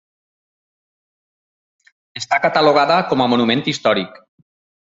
Està catalogada com a monument històric.